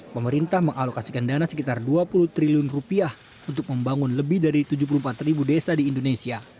pemerintah mengalokasikan dana sekitar dua puluh triliun rupiah untuk membangun lebih dari tujuh puluh empat desa di indonesia